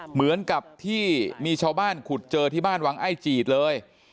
เหมือนกับที่มีชาวบ้านขุดเจอที่บ้านวังไอ้จีดเลย